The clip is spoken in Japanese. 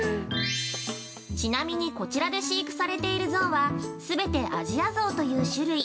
◆ちなみに、こちらで飼育されている象はすべてアジアゾウという種類。